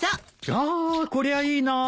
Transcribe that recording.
やこりゃいいなぁ。